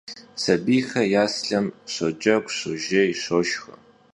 Sabiyxer yaslhem şocegu, şojjêy, şoşşxe.